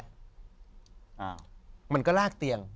อ้าวมันก็ลากเตียง